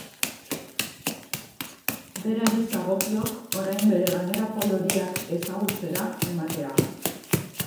Berari zagokiok orain bere gainerako loriak ezagutzera ematea.